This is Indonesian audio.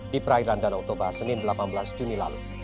di prairan dan otober senin delapan belas juni lalu